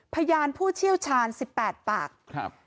พยานผู้เชี่ยวชาญสิบแปดปากครับ